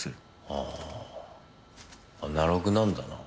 ああアナログなんだな。